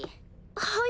はい？